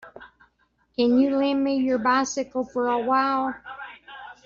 Can you lend me your bycicle for a while.